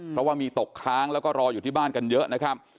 เพราะว่ามีตกค้างแล้วก็รออยู่ที่บ้านกันเยอะนะครับ